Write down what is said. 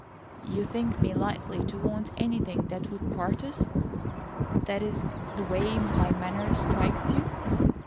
"You think me likely to want anything that would part us—that is the way my manner strikes you?"